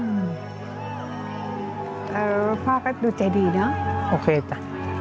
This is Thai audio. พ่อก็ดูใจดีเนอะโอเคจ้ะ